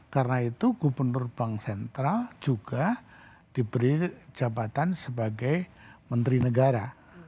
karena itu gubernur bank sentral juga diberi jabatan sebagai menteri negara